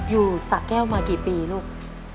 สะแก้วมากี่ปีลูก